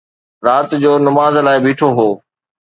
رات جو نماز لاءِ بيٺو هو